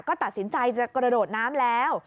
ก็ตัดสินใจจะกระโดดน้ำแล้ว